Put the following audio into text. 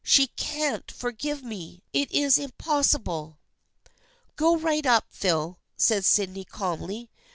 She can't forgive me. It is impossible." " Go right up, Phil," said Sydney calmly.